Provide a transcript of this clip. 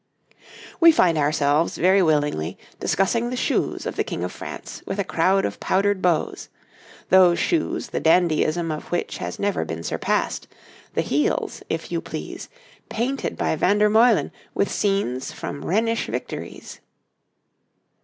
}] We find ourselves, very willingly, discussing the shoes of the King of France with a crowd of powdered beaux; those shoes the dandyism of which has never been surpassed, the heels, if you please, painted by Vandermeulen with scenes from Rhenish victories!